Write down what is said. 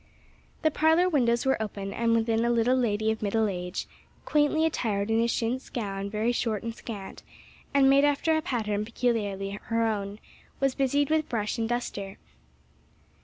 The parlor windows were open and within a little lady of middle age, quaintly attired in a chintz gown very short and scant, and made after a pattern peculiarly her own, was busied with brush and duster.